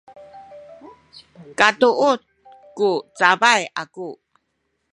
katuud ku cabay aku